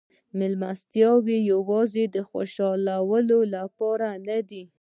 مېلمستیاوې یوازې د خوشحالولو لپاره نه وې.